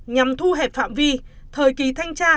nhằm thu hẹp phạm vi thời kỳ thanh tra